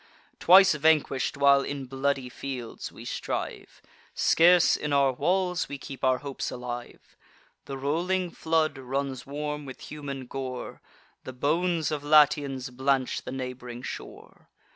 Twice vanquish'd while in bloody fields we strive, Scarce in our walls we keep our hopes alive: The rolling flood runs warm with human gore; The bones of Latians blanch the neighb'ring shore.